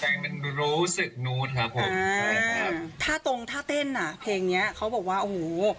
แต่งเป็นรู้สึกนู้นครับผมอ่าถ้าตรงถ้าเต้นอ่ะเพลงเนี้ยเขาบอกว่าโอ้โห